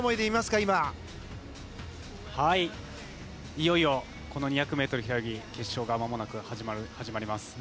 いよいよこの２００ｍ平泳ぎ決勝がまもなく始まります。